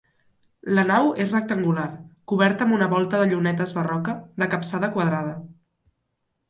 La nau és rectangular, coberta amb una volta de llunetes barroca, de capçada quadrada.